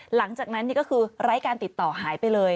หลังจากนั้นนี่ก็คือไร้การติดต่อหายไปเลย